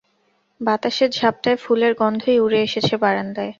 বাতাসের ঝাপটায় ফুলের গন্ধই উড়ে এসেছে বারান্দায়।